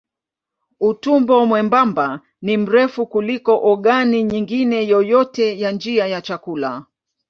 Utumbo mwembamba ni mrefu kuliko ogani nyingine yoyote ya njia ya chakula.